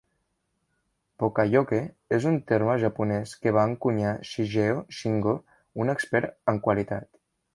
"Poka-yoke" és un terme japonès que va encunyar Shigeo Shingo, un expert en qualitat.